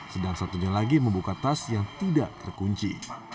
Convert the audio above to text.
sedang satunya lagi membuka tas yang tidak terkunci